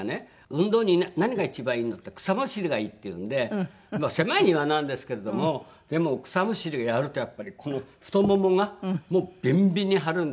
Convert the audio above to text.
運動に何が一番いいんだって草むしりがいいっていうんでまあ狭い庭なんですけれどもでも草むしりをやるとやっぱりこの太ももがもうビンビンに張るんですよ。